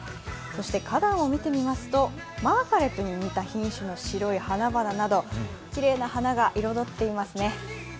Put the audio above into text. そして花壇を見てみますとマーガレットに似た品種の白い花々などきれいな花が彩っていますね。